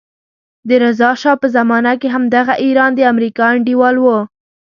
د رضا شا په زمانه کې همدغه ایران د امریکا انډیوال وو.